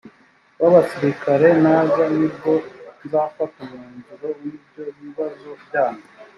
w abasirikare naza ni bwo nzafata umwanzuro w ibyo bibazo byanyu